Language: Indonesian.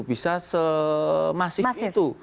bisa semasif itu